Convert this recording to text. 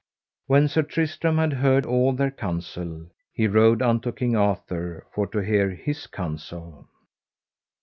When Sir Tristram had heard all their counsel he rode unto King Arthur for to hear of his counsel.